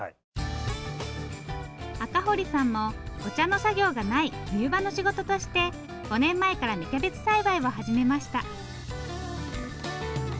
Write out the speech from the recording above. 赤堀さんもお茶の作業がない冬場の仕事として５年前から芽キャベツ栽培を始めました。